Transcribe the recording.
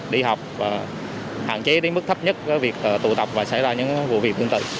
đi học và hạn chế đến mức thấp nhất việc tụ tập và xảy ra những vụ việc tương tự